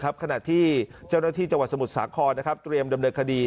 ขณะที่เจ้าหน้าที่จังหวัดสมุทรสาครเตรียมดำเนินคดี